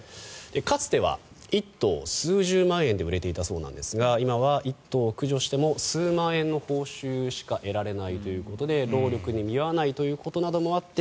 かつては１頭数十万円で売れていたそうなんですが今は１頭を駆除しても数万円の報酬しか得られないということで労力に見合わないということなどもあって